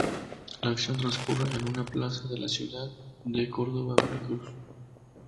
La acción transcurre en una plaza de la ciudad de Córdoba, Veracruz.